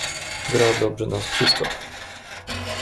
"Gra dobrze na skrzypcach."